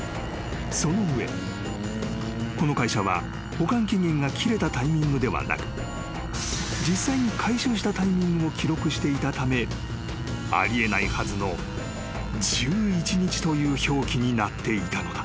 ［その上この会社は保管期限が切れたタイミングではなく実際に回収したタイミングを記録していたためあり得ないはずの１１日という表記になっていたのだ］